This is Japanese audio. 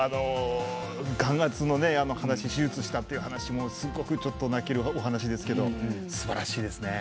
眼圧の話、手術したって話もすごく泣けるお話ですけどすばらしいですね。